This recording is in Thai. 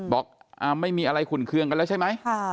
บอกไม่มีอะไรขุนเครื่องกันแล้วใช่ไหม